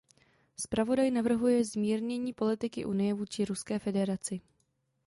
Zpravodaj navrhuje zmírnění politiky Unie vůči Ruské federaci.